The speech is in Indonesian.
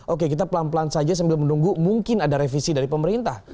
oke kita pelan pelan saja sambil menunggu mungkin ada revisi dari pemerintah